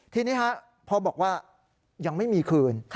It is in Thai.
ทีนี้พอบอกว่ายังไม่มีคืน